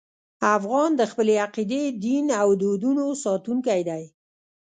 افغان د خپلې عقیدې، دین او دودونو ساتونکی دی.